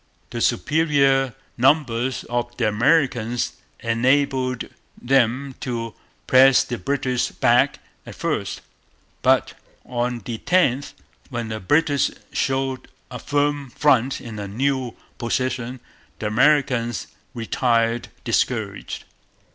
The superior numbers of the Americans enabled them to press the British back at first. But, on the 10th, when the British showed a firm front in a new position, the Americans retired discouraged.